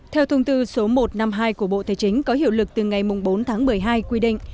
theo thông tư số một trăm năm mươi hai của bộ thế chính có hiệu lực từ ngày bốn tháng một mươi hai quy định